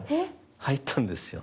入ったんですよ。